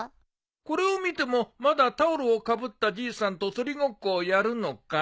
これを見てもまだタオルをかぶったじいさんと鳥ごっこをやるのか？